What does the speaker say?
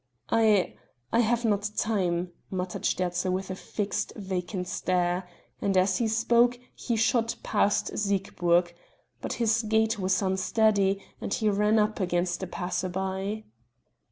"I I have not time," muttered Sterzl with a fixed vacant stare; and, as he spoke, he shot past Siegburg; but his gait was unsteady and he ran up against a passer by.